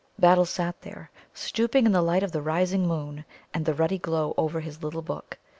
Battle sat there, stooping in the light of the rising moon and the ruddy glow over his little book.